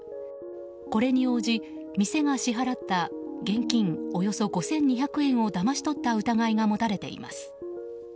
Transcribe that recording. これに応じ、店が支払った現金およそ５２００円をだまし取った疑いが持たれています。